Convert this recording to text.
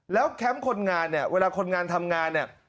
แล้วแคมป์คนงานเนี่ยเวลาคนงานทำงานเนี่ย